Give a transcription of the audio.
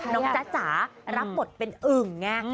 น้องจ๊ะรับหมดเป็นอึ่งไง